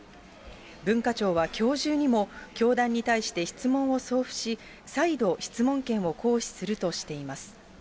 文化庁はきょう中にも、教団に対して質問を送付し、再度、質問権を行使するとしています。